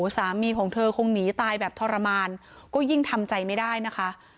สามีของเธอคงหนีตายแบบทรมานก็ยิ่งทำใจไม่ได้นะคะ